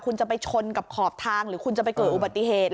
คุณจะไปชนกับขอบทางหรือคุณจะไปเกิดอุบัติเหตุ